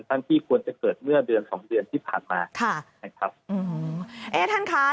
ตั้งที่ควรจะเกิดเมื่อเดือน๒เดือนที่ผ่านมา